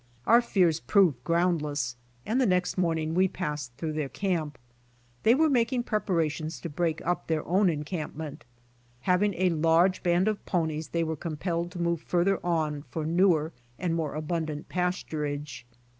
Our fears proved groundless and the next morning we passed through their camp. They were making preparations to break up their own encamp ment. Having a large band of .ponies they were compelled to m'ove farther on for newer and more abundant pasturage.